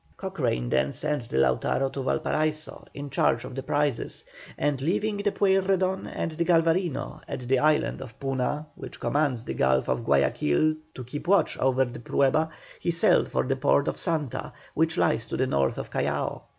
Cochrane then sent the Lautaro to Valparaiso in charge of the prizes, and leaving the Pueyrredon and the Galvarino at the island of Puna, which commands the Gulf of Guayaquil, to keep watch over the Prueba, he sailed for the port of Santa, which lies to the north of Callao.